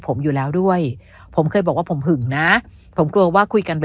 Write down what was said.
ผมอยู่แล้วด้วยผมเคยบอกว่าผมหึงนะผมกลัวว่าคุยกัน